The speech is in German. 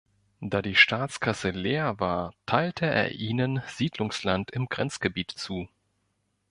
Da die Staatskasse leer war, teilte er ihnen Siedlungsland im Grenzgebiet zu.